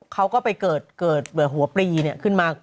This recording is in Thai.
เขาก็ไปเกิดหัวปลีขึ้นมา